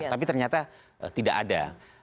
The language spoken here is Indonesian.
tapi ternyata tidak ada